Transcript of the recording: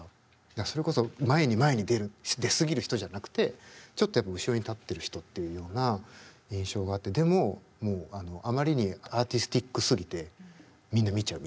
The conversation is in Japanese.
それこそ前に前に出る出すぎる人じゃなくてちょっとやっぱ後ろに立ってる人っていうような印象があってでももうあまりにアーティスティックすぎてみんな見ちゃうみたいな。